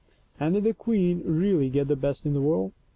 And did the queen really get the best in the world